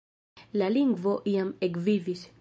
La lingvo jam ekvivis.